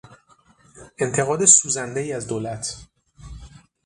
انتقاد سوزندهای از دولت